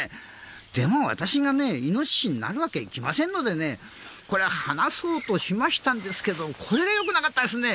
でも私がイノシシになるわけにはいきませんので離そうとしましたんですけどこれが良くなかったですね。